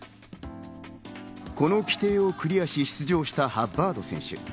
この規定をクリアし、出場したハッバード選手。